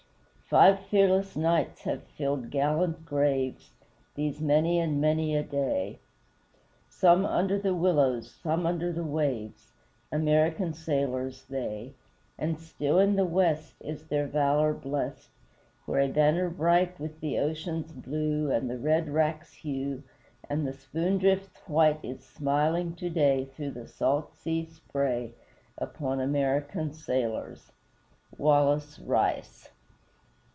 _Five fearless knights have filled gallant graves This many and many a day, Some under the willows, some under the waves American sailors they; And still in the West Is their valor blest, Where a banner bright With the ocean's blue And the red wrack's hue And the spoondrift's white Is smiling to day Through the salt sea spray Upon American sailors._ WALLACE RICE.